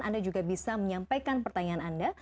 anda juga bisa menyampaikan pertanyaan anda